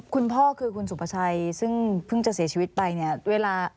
คุณพ่อคือคุณสุภาชัยซึ่งเพิ่งจะเสียชีวิตไปเนี่ยเวลา